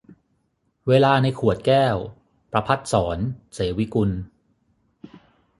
เวลาในขวดแก้ว - ประภัสสร เสวิกุล